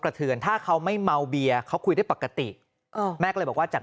เทือนถ้าเขาไม่เมาเบียร์เขาคุยได้ปกติแม่ก็เลยบอกว่าจาก